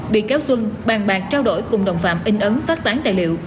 bị cáo xuân bàn bạc trao đổi cùng đồng phạm in ấn phát tán tài liệu